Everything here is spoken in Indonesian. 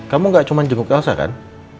kamu gak cuma jenguk elsa kan